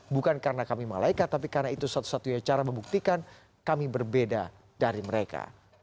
bukan karena kami malaikat tapi karena itu satu satunya cara membuktikan kami berbeda dari mereka